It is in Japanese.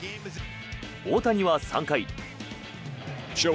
大谷は３回。